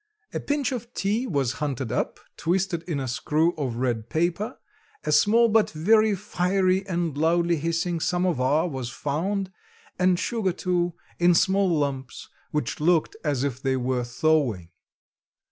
A pinch of tea was hunted up, twisted in a screw of red paper; a small but very fiery and loudly hissing samovar was found, and sugar too in small lumps, which looked as if they were thawing.